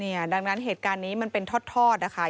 ดังนั้นเหตุการณ์นี้มันเป็นทอดนะคะ